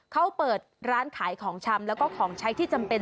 เขาเปิดร้านขายของชำแล้วก็ของใช้ที่จำเป็น